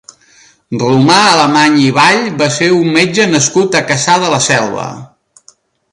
Romà Alemany i Vall va ser un metge nascut a Cassà de la Selva.